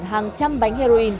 hàng trăm bánh heroin